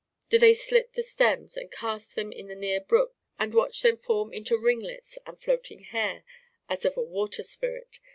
Do they slit the stems and cast them into the near brook and watch them form into ringlets and floating hair as of a water spirit?